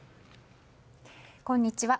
こんにちは。